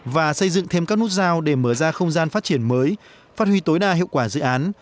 và xây dựng thêm các nút giao để mở ra không gian phát triển mới phát huy tối đa hiệu quả dự án